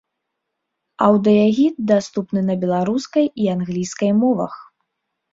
Аўдыягід даступны на беларускай і англійскай мовах.